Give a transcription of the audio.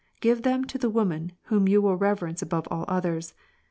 . Give them to the woman whom you will reverence above all others.